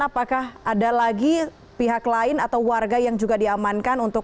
apakah ada lagi pihak lain atau warga yang juga diamankan untuk